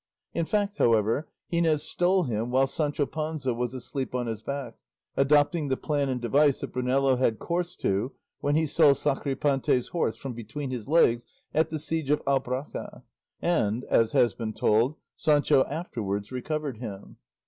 In fact, however, Gines stole him while Sancho Panza was asleep on his back, adopting the plan and device that Brunello had recourse to when he stole Sacripante's horse from between his legs at the siege of Albracca; and, as has been told, Sancho afterwards recovered him.